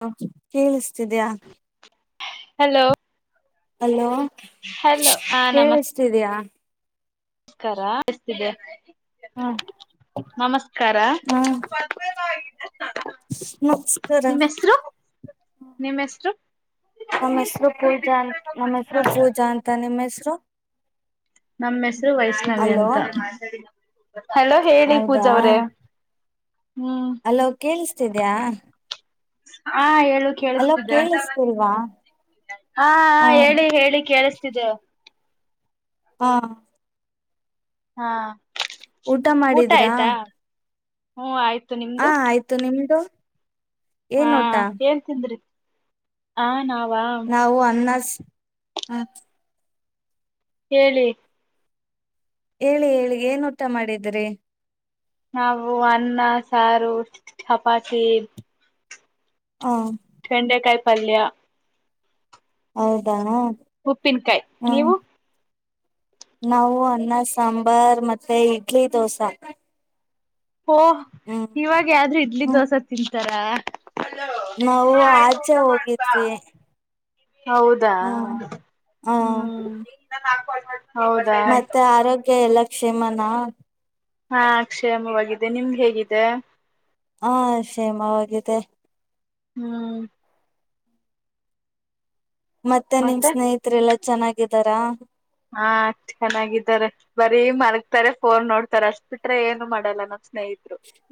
ಹ ಕೇಳುಸ್ತಿದ್ಯಾ. Hello. Hello hello ಹ ಕೇಳಿಸತಿದಯಾ ನಮಸ್ಕಾರ ಕೇಳಿಸ್ತಿದೆ ಹ್ಮ ನಮಸ್ತೆ ಕರ ನಮಸ್ಕಾರ ನಿಮ್ಮ ಹೆಸರು ನಿಮ್ಮ ಹೆಸರು ನಮ್ಮ್ ಹೆಸರು ಪೂಜಾ ಅ ನಮ್ಮ ಹೆಸರು ಪೂಜಾ ಅಂತ ನಿಮ್ಮ ಹೆಸರು ನಮ್ಮ ಹೆಸರು ವೈಷ್ಣವಿ ಅಲೋ ಅಂತ ಹಲೋ ಹೇಳಿ ಪೂಜ ಹೌದಾ ಅವ್ರೆ ಅಲೋ ಕೇಳಸ್ ತಿದ್ಯಾ ಹಾ ಹೇಳಿ ಕೇಳಿಸ್ತಿದೆ ಕೇಳಿಸ್ತಿಲ್ವಾ ಹಾ ಹ ಹೇಳಿ ಹೇಳಿ ಕೇಳಿಸ್ತಿದೆೆ ಹಾ ಹಾ ಊಟ ಮಾಡಿದ್ರಾ ಹ್ಮ್ ಆಯ್ತು ನಿಮ್ದು ಆ ಆಯ್ತು ನಿಮ್ದು ಹಾ ಏನ್ ಊಟ ಹೇಳ್ತಿದ್ರಿ ಹಾ ನಾವು ನಾವು ಅನ್ನ ಹಾ [inaudible] [unintelligible] ಹೇಳಿ ಹೇಳಿ ಹೇಳಿ ಏನ್ ಊಟ ಮಾಡಿದ್ರಿ ನಾವು ಅನ್ನ ಸಾರು ಚಪಾತಿ ಹ ಚೆಂಡೆಕಾಯ ಪಲ್ಯ ಹೌದಾ? ಹಾ ಉಪ್ಪಿನಕಾಯಿ ನೀವು ನಾವು ಅನ್ನ ಸಾಂಬಾರ್ ಮತ್ತೆ ಇಡ್ಲಿ ದೋಸಾ ಓ ಹ್ಮ್ ಇವಾಗ ಯಾರು ಇಡ್ಲಿ ಹ್ಮ ದೋಸೆ ತಿಂದ ತರಾ. ನಾವು ಆಚೆ ಹೋಗಿದ್ವಿ. ಹೌದಾ ಹ ಹ ಹ್ಮ್. ಹ. ಮತ್ತೆ ಆರೋಗ್ಯ ಎಲ್ಲ. ಕ್ಷೇಮಾನ. ಹಾ ಅಕ್ಷೇಮವಾಗಿದೆ ನಿಮ್ಗೆ ಹೇಗಿದೆ. ಹಾ ಕ್ಷೇಮವಾಗಿದೆ. ಹ್ಮ್. ಮತ್ತೆ ನಿಮ್ ಸ್ನೇಹಿತರೆಲ್ಲ. ಚೆನ್ನಾಗಿದ್ದಾರಾ. ಹಾ ಚೆನ್ನಾಗಿದ್ದಾರೆ ಬರೀ ಮಲಗ್ತಾರೆ ಫೋನ್ ನೋಡ್ತಾರೆ ಅಷ್ಟು ಬಿಟ್ರೆ ಏನು ಮಾಡಲ್ಲ ನಮ್ಮ್ ಸ್ನೇಹಿತ.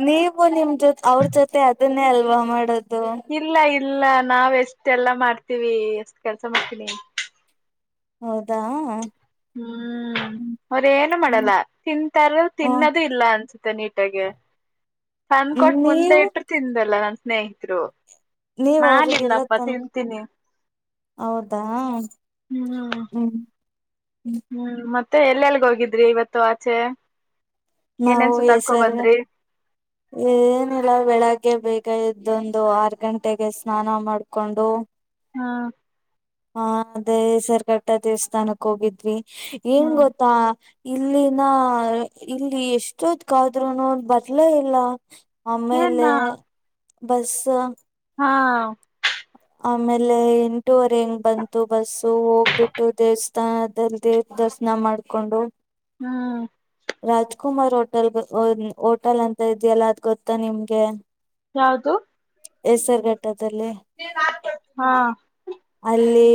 ನೀವು ನಿಮ್ ಜೊತೆ ಅವ್ರ ಜೊತೆ ಅದನ್ನೇ ಅಲ್ವಾ ಮಾಡೋದು. ಇಲ್ಲ ಇ ಇಲ್ಲ ನಾವ ಎಷ್ಟ ಎಲ್ಲಾ ಮಾಡ್ತೀವಿ ಎಷ್ಟ ಕೆಲ್ಸ ಮಾಡ್ತೀನಿ ಹೌದಾ ಹ್ಮ್ ಅವ್ರೇಏನು ಮಾಡಲ್ಲ ತಿಂತಾರ ಹ ತಿನ್ನದು ಇಲ್ಲ ಅನ್ಸುತ್ತೆ ತ ನೀಟಾಗ ತಂದು ಕೊಟ್ಟ ಮುಂದೆ ನೀವು ಇಟ್ಟು ತಿಂದೆಲ್ಲ ನಾನ ಸ್ನೇಹಿತರು ನೀವ್ ಅವ್ರಿಗೆಲ್ಲ ನಾನಿಲ್ಲಪ್ಪ ತನ್ ತಿಂತೀನಿ ಹೌದಾ ಹ್ಮ್ ಹ್ಮ್ ಹ್ಮ್ ಮತ್ತೆ ಮತ್ತೆ ಎಲ್ಲೆಲ್ಗ ಹೋಗಿದ್ರಿ ಇವತ್ತು ಆಚೆ ನಾವು ಏನೇನ್ ಸುತ್ತಾಡ್ಕೊ ಹೆಸರ್ ಬಂದ್ರಿ ಏನಿಲ್ಲ ಬೆಳಗ್ಗೆ ಬೇಗ ಇದೊಂದು ಆರ್ ಗಂಟೆಗೆ ಸ್ನಾನ ಮಾಡ್ಕೊಂಡು ಹಾ ಹ ಅದೇ ಸರ್ ಕಟ್ಟ ದೇವಸ್ಥಾನಕ್ಕೆ ಹೋಗಿದ್ವಿ ಏನ್ ಹ್ಮ್ ಗೊತ್ತಾ ಇಲ್ಲಿನ ಇಲ್ಲಿ ಎಷ್ಟೊತ್ಗಾದ್ರೂನೂ ಬರಲೇ ಇಲ್ಲ ಆಮೇಲೆ ಏನಾ ಬಸ್ ಹಾ ಆಮೇಲೆ ಎಂಟೂವರೆ ಹಂಗ್ ಬಂತು ಬಸ್ಸು ಹೋಗ್ಬಿಟ್ಟು ದೇವಸ್ಥಾನದಲ್ಲಿ ದೇವ ದರ್ಶನ ಮಾಡ್ಕೊಂಡು ಹ್ಮ್ ರಾಜುಕುಮಾರ್ ಹೋಟೆಲ್ ಹೋಟೆಲ್ ಅಂತ ಇದೆಯಲ್ಲ ಅದ್ ಗೊತ್ತಾ ನಿಮ್ಗೆ ಯಾವುದು ಹೆಸರುರ್ಘಟ್ಟದು ದಲ್ಲೇ ಹಾ ಅಲ್ಲಿ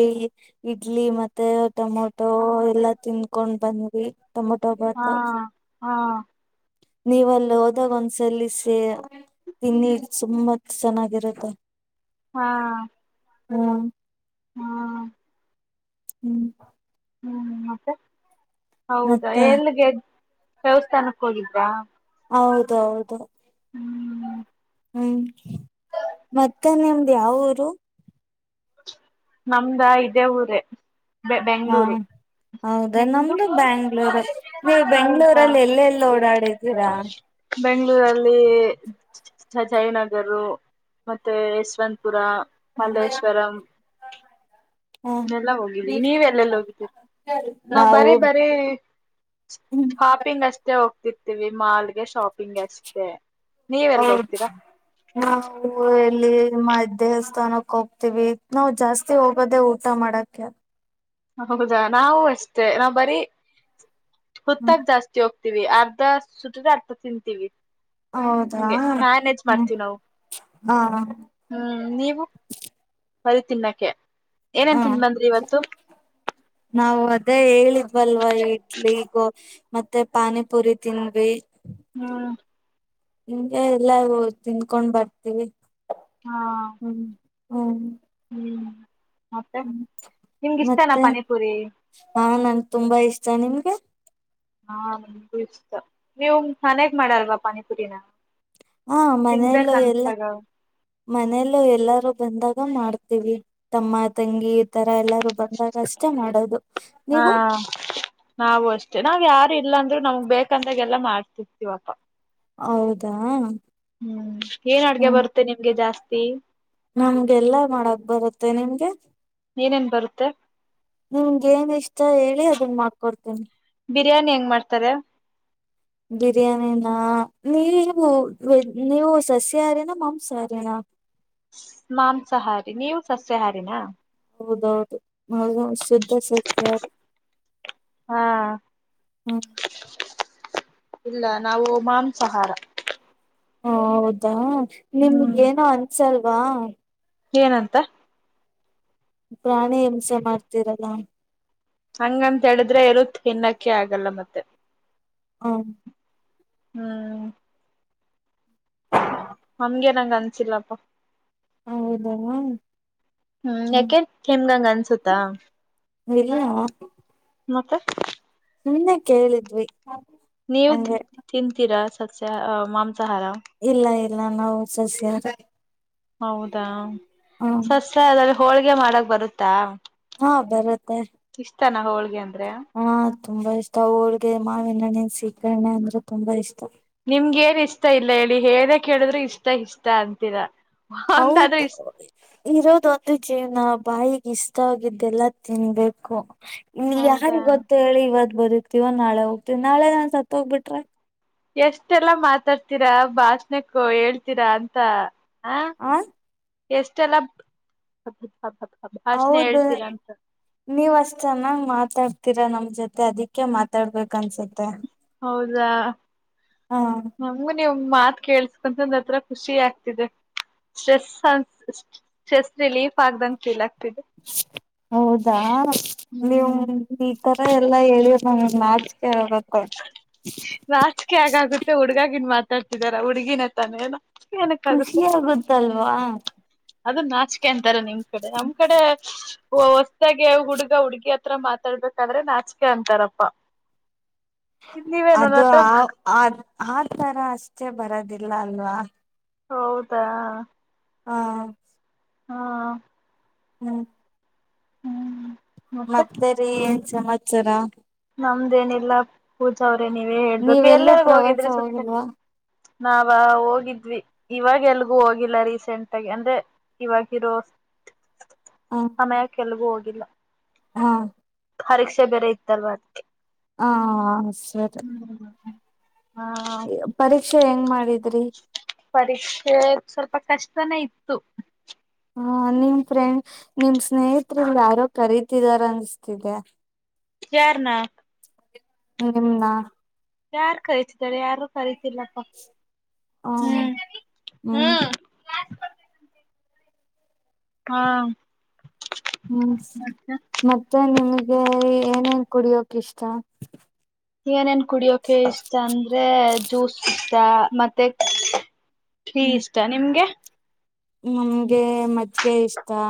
ಇಡ್ಲಿ ಮತ್ತೆ ಟೊಮೊಟೊ ಎಲ್ಲಾ ತಿನ್ಕೊಂಡ್ ಬಂದ್ವಿ ಹಾ ಟಮೋಟೋಬಾತ್ ಹಾ [inaudible] ಹಾ ಹ್ಮ ಹಾ ಹ್ಮ್ ಹ್ಮ್ ಮತ್ತೆ ಹೌದಾ ಮತ್ತೆ ಎಲ್ಲಿಗೆದ ದೇವಸ್ಥಾನಕ್ಕೆ ಹೋಗಿದ್ರಾ ಹೌದೌದು ಹ್ಮ್ ಹ್ಮ್ ಮತ್ತೆ ನಿಮ್ದ್ ಯಾವ ಊರು ನಮ್ದಾ ಇದೇ ಊರೇ ಬೆ ಹಾ ಬೆಂಗಗಳೂರು ಹೌದಾ ನಮ್ದು ಬ್ಯಾಂಗ್ಳೂರ್ ನೀವು ಹೌದಾ ಬೆಂಗ್ಳೂರಲ್ಲಿ ಎಲ್ಲ ಎಲ್ಲಿ ಓಡಾಡಿದ್ದೀರಾ ಬೆಂಗಳೂರಲ್ಲಿ ಜಯನಗರು ಮತ್ತೇ ಯಶವಂತಪುರ ಹ ಮಲ್ಲೇಶ್ವರಂ ಎಲ್ಲ ಹೋಗಿದೀವಿ ನೀವ ಎಲ್ಲೆಲ್ಲಿ ಹೋಗಿದ್ದೀರಿ ನಾವ್ ನಾವು ಬರೀ ಬರೀ ಶಾಪಿಂಗ್ ಅಷ್ಟೇ ಹೋಗತ ರ್ತೀವಿ ಮಾಲ್ಗೆ ಶಾಪಿಂಗ್ ಅಷ್ಟೇ ನೀವೆಲ್ಗ ಹೌದು ಹೋಗ್ತೀರಾ ನ ನಾವು ಇಲ್ಲಿಮ್ಮ ದೇವಸ್ಥಾನಕ್ಕೆ ಹೋಗ್ತೀವಿ ನಾವು ಜಾಸ್ತಿ ಹೋಗೋದೇ ಊಟ ಮಾಡಕ್ಕೆ ಹೌದಾ ನಾವು ಅಷ್ಟೇ ನಾವ್ ಬರೀ ಹುತ್ ಹ್ಮ್ ಗ್ ಜಾಸ್ತಿ ಹೋಗ ವಿ ಅರ್ಧ ಸುತ್ತದ ಅರ್ಧ ತಿಂತೀವಿ ಹೌದಾ ಹಂಗೆ ಮ್ಯಾನೇಜ್ ಹ್ಮ್ ಮಾಡ್ತೀವಿ ನಾವು ಹಾ ಹ್ಮ್ ನೀವು ವಲ್ಲಿ ತಿನ್ನಕ್ಕೆ ಏನೇನ್ ಹಾ ತಿನ್ ಬಂದ್ರಿ ಇವತ್ತು ನಾವು ಅದೇ ಹೇಳಿದ್ವಲ್ವ ಇಡ್ಲಿಗೋ ಮತ್ತೆ ಪಾನಿಪುರಿ ತಿಂದ್ವಿ ಹ್ಮ್ ನಿಂಗೆ ಎಲ್ಲಾ ತಿಂದಕೊಂಡ್ ಬರ್ತೀವಿ ಹಾ ಹ್ಮ್ ಹ್ಮ್ ಹ್ಮ್ ಮತ್ತೆ ನಿಮ್ಗೆ ಇಷ್ಟನಾ ಮತ್ತೆ ಪಾನಿಪುರಿ ಹಾ ನಂಗ್ ತುಂಬಾ ಇಷ್ಟ ನಿಮ್ಗೆ ಹಾ ನಮ್ಗೂ ಇಷ್ಟ ನೀವು ಮನೆಗ್ ಮಾಡಲ್ವಾ ಪಾನಿಪುರಿನ ಹಾ ತಿನ್ಬೇಕ ಮನೆಯಲ್ಲೂ ಎಲ್ಲ ಅನ್ಸ್ದಾಗ ಮನೆಯಲ್ಲೂ ಎಲ್ಲಾರೂ ಬಂದಾಗ ನಾವ್ ಮಾಡ್ತೀವಿ ತಮ್ಮ ತಂಗಿ ತರ ಎಲ್ಲಾ. ಹಾ ನಾವು ಅಷ್ಟೆ ನಾವ್ ಯಾರು ಇಲ್ಲಂತ್. ಅಂದ್ರೆ ನಮ್ಗ್ ಬೇಕಂದಾಗೆಲ್ಲಾ ಮಾಡ್ತಿರ್ತಿವಪಾ. ಹೌದಾ. ಹ್ಮ್ ಏನ್ ಅಡ್ಗೆ ಹ್ಮ್ ಬರುತ್ತೆ ನಿಮ್ಗೆ ಜಾಸ್ ತಿ. ನಮ್ಗೆಲ್ಲಾ ಮಾಡಕ್ ಬರುತ್ತೆ ನಿಮ್ಗೆ. ಏನೇನ್ ಬರುತ್ತೆ ನಿಮ್ಗೇನ್ ಇಷ್ಟ ಹೇಳಿ ಅದನ್ ಮಾಡ್ಕೊಡ್ತಿನಿ. ಬಿರ್ಯಾನಿ ಹೆಂಗ್ ಮಾಡ್ತಾರೆ. ಬಿರ್ಯಾನಿನ ನೀವು ವೆ ನೀವು ಸಸ್ಯಾಹಾರಿನ ಮಾಂಸಹಾರಿನ. ಮಾಂಸಾಹಾರಿ ನೀವ್ ಸಸ್ಯಹಾರಿನ. ಹೌದೌದು. ಹೌದು ಶುದ್ಧ ಸಸ್ಯಾಹಾರಿ ಹಾ ಹ್ಮ್. ಇಲ್ಲ ನಾವು ಮಾಂಸಾಹಾರ. ಹಾ ಹೌದಾ. ನಿಮ್ಗ ಹ್ಮ್ ಏನು ಅನ್ಸಲ್ ವಾ ಏನಂತ. ಪ್ರಾಣಿಮ್ ಹಿಂಸೆ ಮಾಡ್ತಿರಲ್ಲ. ಹಂಗಂತ ಹೇಳುದ್ರೆ ಏನು ತಿನ್ನಕ್ಕೆ ಆಗಲ್ಲ ಮತ್ತೆ. ಹು ಹ್ಮ್ ಹಂಗೇನ್ ನಂಗ್ ಅನ್ಸಿಲ್ಲಪ್ಪ. ಹೌದಾ ಹ್ಮ್ ಯಾಕೆ ನಿಮ್ಗ್ ಹಂಗ್ ಅನ್ಸುತ್ತಾ. ಯಲ್ಲೋ. ಮತ್ತೆ. ಸುಮ್ನೆ ಕೇಳಿದ್ವಿ. ನೀವ್ ತ್ ಹಂಗೆ ತಿಂತೀರ ಸ್ ಸಸ್ಯ ಆ ಮಾಮ್ ಸಹಾರ. ಇಲ್ಲ ಇಲ್ಲ ನಾವು ಸಸ್ಯಹಾರಿ. ಹೌದಾ ಸಸ್ಯ ಅದಾರು ಹೋಳ್ಗೆ ಮಾಡಕ್ ಬರುತ್ತಾ? ಹಾ ಬರ ಇಷ್ಟಾನ ಹೋಳ್ಗೆ ಅಂದ್ರೆ? ತುಂಬಾ ಇಷ್ಟ ಹೋಳ್ಗೆ ಮಾವಿನಣ್ಣೆನ್ ಸೀಕರ್ರಣೆ ಅಂದ್ರೆ ತುಂಬಾ ಇಷ್ಟ. ನಿಮ್ಗ ಏನ್ ಇಷ್ಟ ಇಲ್ಲ ಹೇಳಿ ಹೇನೇ ಕೇಳಿದ್ರು ಇಷ್ಟ ಇಷ್ಟ ಅಂತೀರ. ಹೌದು ಇರೋದೊಂದ ಜೀವ್ನ ಬಾಯಿ ಇಷ್ಟ ಆಗಿದ್ದೆಲ್ಲ ತಿನ್ಬೇಕು. ಇಲ್ ಹೌದಾ ಯಾರಿಗ್ ಗೊತ್ ಹೇಳಿ ಇವತ್ ಬರತಿವ ನಾಳೆ ಹೋಗ್ತಿವಿ ನಾಳೆ ನಾನ್ ಸತ್ತ ಹೋಗ್ಬಿಟ್ರೆ ಎಷ್ಟೆಲ್ಲಾ ಮಾತಾಡ್ತೀರಾ ಭಾಷಣಕ್ಕ ಹೇಳ್ತೀರಾ ಅಂತ ಆ ಎಷ್ಟೆಲ್ಲ ಹತ್ ಹದಬತ್ ಹೌದು ನೀವ ಅಷ್ಟ್ ಚೆನ್ನಾಗ್ ಮಾತಾಡ್ ಹತ್ತೀರಾ ನಮ್ ಜೊತೆ ಅದಕ್ಕೆ ಮಾತಾಡ್ಬೇಕ ಅನ್ಸುತ್ತೆ ಹೌದಾ ಹಾ ನೀವು ಮಾತ್ ಕೇಸ್ಕಂತಂದತ್ರರ ಖುಷಿ ಆಗ್ತಿದೆ ಸ್ಟ್ರೆಸ್ ಸ್ಟ್ರೆಸ್ ರಿಲೀಫ್ ಆಗಂತ ಇದೆ ಹೌದಾ ನೀವು ಹ್ಮ್ ಈ ತರ ಎಲ್ಲಾ ಹೇಳಿ ಹ್ಮ ನಾಚಿಕೆ ಆಗತ್ತೇ ನಾಚ್ಕೇ ಯಾಕ್ ಆಗುತ್ತೆ ಹುಡ್ಗಾಗಿನ್ ಮಾತ್ರ ಕಟ್ಟಿದಾರ ಹುಡುಗಿನ ತಾನೆ ಏನ ಖುಷಿ ಆಗುತ್ತಲ್ವಾ ಅದುನ್ನ ನಾಚಕೆ ಅಂತ ನಿಮ್ ಕಡೆ ನಮ್ ಕಡೆ ಹೊಸದಾಗ ಹುಡು ಗ ಹುಡ್ಗಿ ಹತ್ರ ಮಾತಾಡ್ಬೇಕಾದ್ರೆ ನಾಚಿಕೆ ಅಂತಾರಪ್ಪ ಅದು ಆ ಆ ತರ ಅಷ್ಟೇ ಬರದಿಲ್ಲ ಅಲ್ವಾ ಹೌದಾ ಹಾ ಹಾ. ಹ್ಮ್. ಹ್ಮ್. ಮತ್ತೆ ಮತ್ತರೀ ಸಮಾಚಾರ. ನಮ್ದೇನಿಲ್ಲ ಪೂಜಾ. ನೀವೇ ಹೇಳ್ಬೇಕು ನೀವೆಲ್ಲೂ ಎಲ್ಲೆಲ್ಲಿ ಪ್ರವಾಸ ಹೋಗಿದ್ರೆ ಸುತ್ತ. ಹೋಗಿಲ್ವಾ ನಾವ ಹೋಗಿದ್ವಿ ಇವಾಗ ಎಲ್ಗೂ ಹೋಗಿಲ್ಲ ರೀಸೆಂಟ್ ಆಗಿ ಅಂದ್ರೆ ಇವಾಗಿರೋ. ಹ [unintelligible] ಎಲ್ಗೂ ಹೋಗ. ಇಲ್ಲ. [inaudible] ಪರೀಕ್ಷೆ ಬೇರೆ ಇತ್ತಲ್ವಾ ಅದಕ್ಕೆ ಹಾ ಸರಿ ಹಾ ಪರೀಕ್ಷೆ ಹೆಂಗ್ ಮಾಡಿದ್ರಿ ಪರೀಕ್ಷೆ ಸ್ವಲ್ಪ ಕಷ್ಟನೇ ಇತ್ತು ಹ ನಿಮ್ ಫ್ರೆಂಡ್ ನಿಮ್ ಸ್ನೇಹತ್ರಿ ಯಾರೋ ಕರೀತಿದಾರ ಅನ್ಸ್ತಿದೆ ಯಾರನಾ ನಿಮ್ನ ಯಾರು ಕರಿತಿದರೆ ಯಾರು ಕರ್ ತಿಲ್ಲಪ್ಪ ಹ ಹ್ಮ್ ಹ್ಮ್ ಹ್ಮ ಹಾ ಹ್ಮ್ ಮತ್ತೆ ಮತ್ತೆ ನಿಮ್ಗೆ ಏನೇನ್ ಕುಡಿಯೋಕ್ ಇಷ್ಟ ಈಗ ನನ್ ಕುಡಿಯೋಕೆ ಇಷ್ಟ ಅಂದ್ರೆ ಜ್ಯೂಸ್ ಇಷ್ಟ ಮತ್ತೆ ಟಿ ಹ್ಮ್ ಇಷ್ಟ ನಿಮ್ಗೆ ನಮ್ಗೆ ಮಜ್ಗೆ ಇಷ್ಟಾ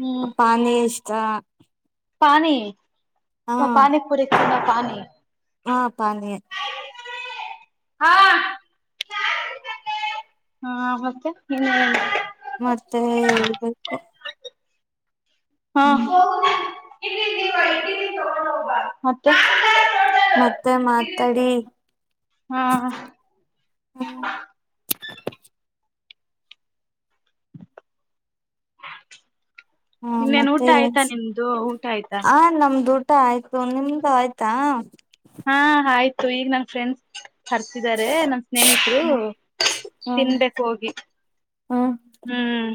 ಹ್ಮ್ ಪಾನಿ ಎಷ್ಟ್ ಚ ಪಾನಿ ಪಾನಿ ಪೂರಿ ಪಾನಿ ಹಾ ಪಂದ ಹಾ ಹಾ ಮತ್ತೆ ಇನ್ನ ಏನ್ ಮತ್ತೆ ಹ [inaudible] ಹಾ ಇಲ್ಲಿ ದಿನ ಇಲ್ಲಿ ತಗೊಂಡೋಗ ಬಾಯ [inaudible] ಮತ್ತೆ ಮಾತಾಡಿ ಹಾ ಹಾ ಹಾ ಇನ್ನೇನ್ ಮತ್ತೆ ಊಟ ಆಯ್ತಾ ನಿಮ್ದು ಊಟ ಆಯ್ತಾ ಆ ನಮ್ದು ಊಟ ಆಯ್ತು ನಿಮ್ದು ಆಯ್ತಾ ಹಾ ಆಯ್ ಸೊ ಈಗ ನನ್ ಫ್ರೆಂಡ್ಸ್ ಹರ್ತಿದ್ದಾರೆ ನಮ ಸ್ನೇಹಿತರು ಹ್ಮ್ ತಿನ್ಬೇಕಕ್ ಹೋಗಿ ಹ್ಮ್ ಹ್ಮ್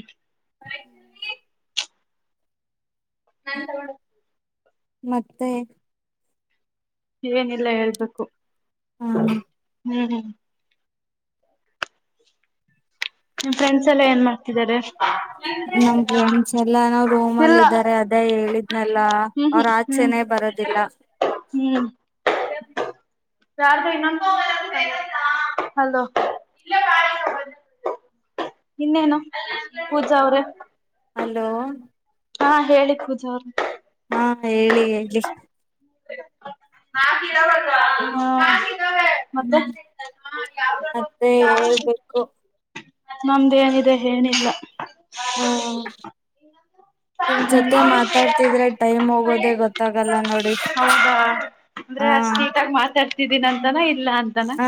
ನನ್ನ ತಗೊಂಡ್ ಮತ್ತೆ ಏನಿಲ್ಲ ಹೇಳ್ಬೇಕು ಹ ಹ್ಮ್ ಹ್ಮ್ ನಿಮ್ಮ್ ಫ್ರೆಂಡ್ಸ್ ಎಲ್ಲ ಏನ್ ಮಾಡ್ತಿದಿದ್ದಾರೆ ನಮ್ ಫ್ರೆಂಡ್ಸ್ ಎಲ್ಲಾನ ರೂಮ್ ಇಲ್ಲ ಅಲ್ಲಿ ಇದಾರೆ ಅದೇ ಹೇಳಿದ್ನೆಲ್ಲ ಹ್ಮ್ ಅವ್ರ ಹ್ಮ್ ಹ್ಮ್ ಆಚೆನೆೇ ಬರೋದಿಲ್ಲ ಹ್ಮ್ [unintelligible] ಇನ್ನೇನು ಪೂಜಾ ಅವ್ರೆ ಹಲೋ ಹಾ ಹೇಳಿ ಪೂಜಾ ಅವ್ರೇ ಹಾ ಹೇಳಿ ಹೇಳಿ [inaudible] ನ [inaudible] ಹ್ಮ ಮತ್ತೆ ಹ್ಮ್ ಮತ್ತೆ ಹೇಳುಬೇಕು ನಮ್ದ ಎನಿದೆ ಹೇನಿಲ್ಲ ಹ್ಮ ನಿಮ್ಮ ಜೊತೆ ಮಾತಾಡ್ತಿದ್ರೆ ಟೈಮ್ ಹೋಗೋದೇ ಗೊತ್ತಾಗ ಹೌದಾ ಹ ಅಂದ್ರೆ ಅಷ್ಟೀಟಾಗಿ ಮಾತಾಡ್ತಿದೀನ ಅಂತಾನ ಇಲ್ಲ ಅಂತಾನ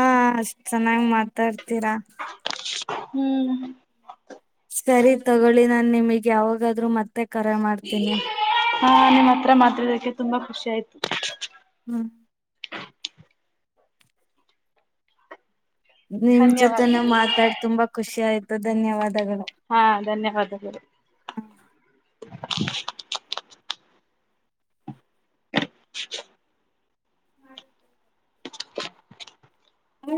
ಚೆನ್ನಾಗಿ ಮಾತಾಡ್ ತೀರಾ ಹೂ ಸರಿ ತಗೊಳ್ಳಿ ನ ನಿಮಗ್ ಯಾವಾಗಾದ್ರು ಮತ್ತೆ ಕರೆ ಮಾಡ್ತೀನಿ ಹಾ ನಿಮ್ಮ್ ಹತ್ರ ಮಾತಾಡ ಕೆ ತುಂಬಾ ಖುಷಿ ಆಯ್ತು ಹ್ಮ್ ನಿಮ್ ಧನ್ಯವಾದ ಜೊತೆನೂ ಮಾತಾಡ್ ತುಂಬಾ ಖುಷಿ ಆಯ್ತು ಧನ್ಯವಾದ ಹಾ ಧನ್ಯವಾದಗಳು [unintelligible] [unintelligible] [inaudible] ಹ್ಮ